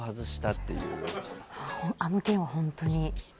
あの件は本当に。